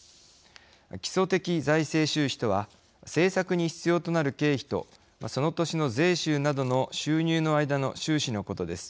基礎的財政収支とは政策に必要となる経費とその年の税収などの収入の間の収支のことです。